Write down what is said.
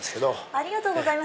ありがとうございます。